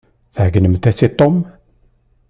Tɛegnemt-as i Tom?